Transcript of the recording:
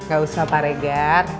gak usah pak regar